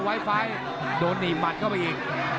ไวไฟโดนหนีมัดเข้าไปอีก